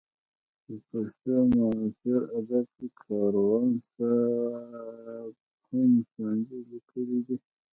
په پښتو معاصر ادب کې کاروان صاحب هم ساندې لیکلې دي.